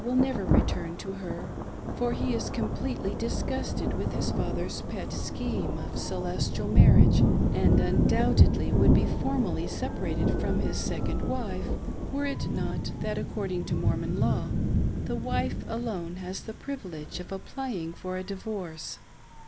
will never return to her, for he is completely disgusted with his father's pet scheme of " Celestial " marriage, and, undoubtedly, would be formally separated from his second wife, were it not that, according to Mormon law, the wife alone has the privi lege of applying for a divorce.